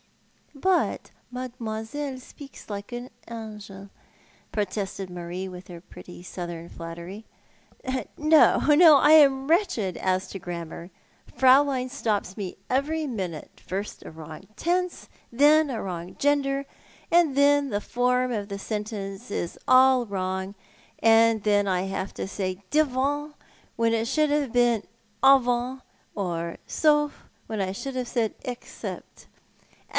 " I5ut, Mademoiselle speaks like an angel," protested Marie with her ])retty southern flattery. From the Far off Land. 45 "No, no, I am wretched as to grammar. Fraulein stops me every minute : first a wrong tense, and then a wrong gender, and then the form of the sentence is all wrong, and then I have said devant when it ought to have been avant ; or sauf when I should have said excej^te.